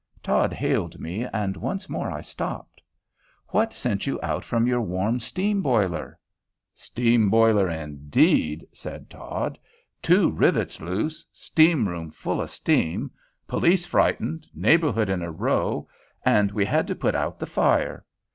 Todd hailed me, and once more I stopped. "What sent you out from your warm steam boiler?" "Steam boiler, indeed," said Todd. "Two rivets loose, steam room full of steam, police frightened, neighborhood in a row, and we had to put out the fire.